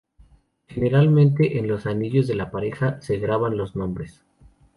Generalmente, en los anillos de la pareja, se graban los nombres.